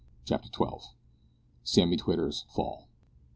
CHAPTER TWELVE. SAMMY TWITTER'S FALL.